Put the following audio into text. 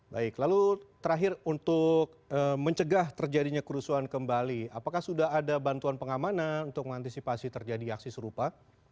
baik lalu terakhir untuk mencegah terjadinya kerusuhan kembali apakah sudah ada bantuan pengamanan untuk mengantisipasi terjadi aksi serupa